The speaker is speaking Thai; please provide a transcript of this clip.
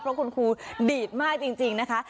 เพราะคุณครูดีดมากจริงนะคะ